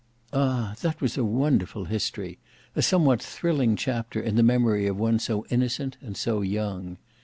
Ah! that was a wonderful history; a somewhat thrilling chapter in the memory of one so innocent and so young!